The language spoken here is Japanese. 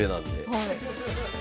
はい。